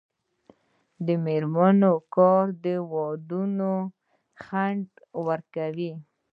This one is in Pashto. د میرمنو کار د ودونو ځنډ ورکوي.